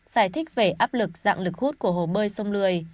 giải thích về áp lực dạng lực hút của hồ bơi sông lười